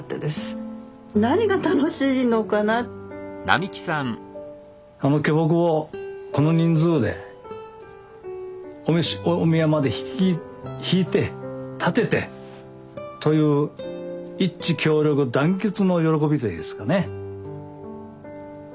あの巨木をこの人数でお宮まで曳いてたててという一致協力団結の喜びというんですかね。